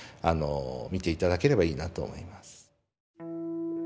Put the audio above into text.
見て頂ければいいなと思います。